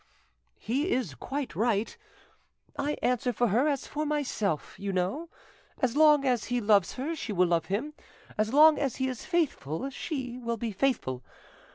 "He is quite right. I answer for her as for my self, you know; as long as he loves her she will love him; as long as he is faithful she will be faithful.